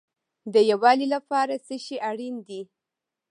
د یووالي لپاره څه شی اړین دی؟